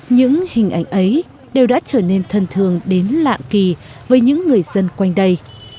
những hình ảnh ấy đều đã trở nên thân thường đến lạng kỳ với những người dân quanh đây